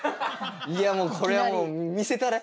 いやもうこれはもう見たい！